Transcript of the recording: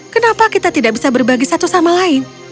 kenapa kita tidak bisa berbagi satu sama lain